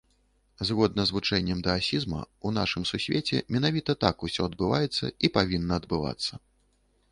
Згодна з вучэннем даасізма, у нашым сусвеце менавіта так усё адбываецца і павінна адбывацца.